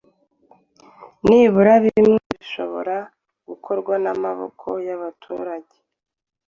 nibura bimwe mu bishobora gukorwa n’amaboko y’abaturage